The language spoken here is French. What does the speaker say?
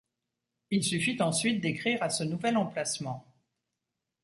Il suffit ensuite d'écrire à ce nouvel emplacement.